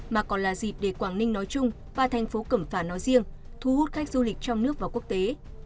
mà còn là dịp để quảng ninh nói chung và thành phố cẩm phả nói riêng thu hút khách du lịch trong nước và quốc tế